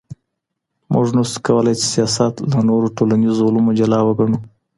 موږ نسو کولای چي سياست له نورو ټولنيزو علومو جلا وګڼو.